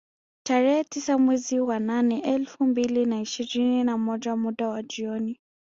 Tarehe tisa mwezi wa nane elfu mbili na ishirini na moja muda wa jioni